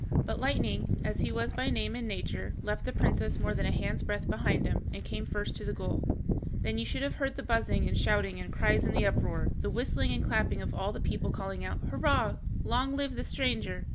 But Lightning (as he was by name and nature) left the princess more than a hand's breadth behind him, and came first to the goal. Then you should have heard the buzzing and shouting and cries and the uproar, the whistling and clapping of all the people calling out, "Hurrah, long live the stranger!"